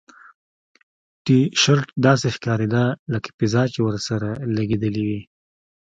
ټي شرټ داسې ښکاریده لکه پیزا چې ورسره لګیدلې وي